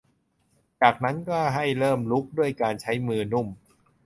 จากนั้นก็ให้เริ่มรุกด้วยการใช้มือนุ่ม